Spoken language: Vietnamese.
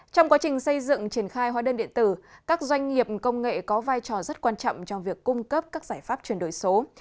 trong quá trình xây dựng triển khai hóa đơn điện tử các doanh nghiệp công nghệ có vai trò rất quan trọng trong việc cung cấp các giải pháp chuyển đổi số